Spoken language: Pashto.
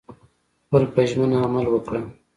خپل په ژمنه عمل وکړه